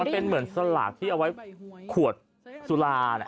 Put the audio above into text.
เป็นเหมือนสลากที่เอาไว้ขวดสุรา